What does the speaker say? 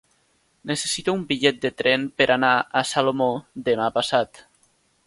Necessito un bitllet de tren per anar a Salomó demà passat.